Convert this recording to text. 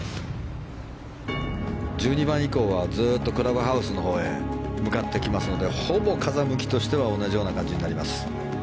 １２番以降はずっとクラブハウスのほうへ向かってきますのでほぼ風向きとしては同じような感じになります。